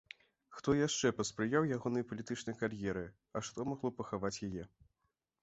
Хто яшчэ паспрыяў ягонай палітычнай кар'еры, а што магло пахаваць яе?